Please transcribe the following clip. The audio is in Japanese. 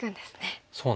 そうなんです。